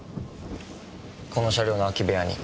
この車両の空き部屋に。